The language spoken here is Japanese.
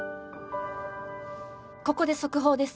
ここで速報です。